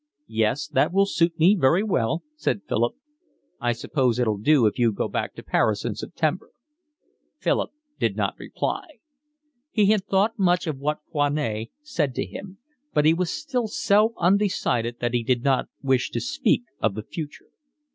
"Yes, that will suit me very well," said Philip. "I suppose it'll do if you go back to Paris in September." Philip did not reply. He had thought much of what Foinet said to him, but he was still so undecided that he did not wish to speak of the future.